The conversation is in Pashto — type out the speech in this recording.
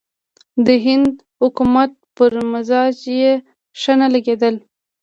د هند حکومت پر مزاج یې ښه نه لګېدل.